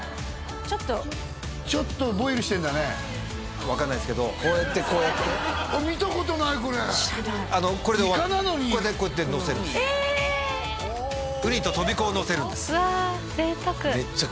ちょっとちょっとボイルしてんだね分かんないですけどこうやってこうやってあっ見たことないこれ知らないいかなのにこれでこうやってのせるんですえっ！